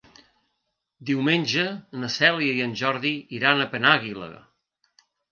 Diumenge na Cèlia i en Jordi iran a Penàguila.